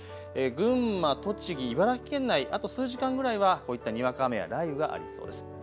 群馬、栃木、茨城県内、あと数時間ぐらいはこういったにわか雨や雷雨がありそうです。